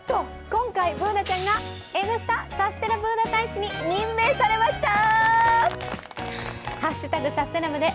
今回、Ｂｏｏｎａちゃんが「Ｎスタ」サステナブーナ大使に任命されました！